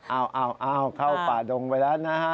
เอาเข้าป่าดงไปแล้วนะฮะ